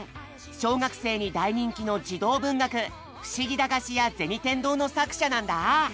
小学生に大人気の児童文学「ふしぎ駄菓子屋銭天堂」の作者なんだ。